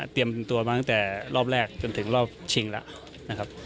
เตรียมตัวมาตั้งแต่รอบแรกจนถึงรอบชิงแล้ว